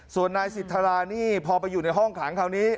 ส่วนนายสิทธานี่พอไปอยู่ในห้องขังคราวนี้